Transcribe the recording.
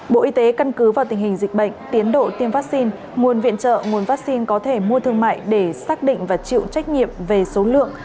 bộ y tế căn cứ vào tình hình dịch bệnh tiến độ tiêm vaccine nguồn viện trợ nguồn vaccine có thể mua thương mại để xác định và chịu trách nhiệm về số lượng